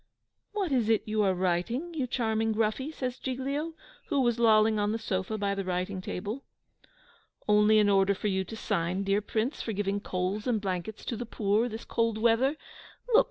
"What is it you are writing, you dear Gruffy?" says Giglio, who was lolling on the sofa by the writing table. "Only an order for you to sign, dear Prince, for giving coals and blankets to the poor, this cold weather. Look!